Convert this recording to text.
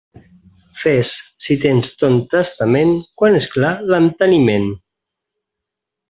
Fes, si tens ton testament, quan és clar l'enteniment.